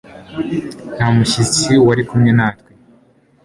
nta mushyitsi wari kumwe natwe